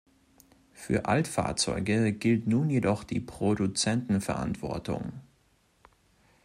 Für Altfahrzeuge gilt nun jedoch die Produzentenverantwortung.